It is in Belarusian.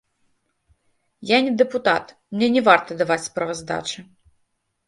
Я не дэпутат, мне не варта даваць справаздачы.